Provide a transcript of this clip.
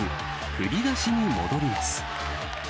振り出しに戻ります。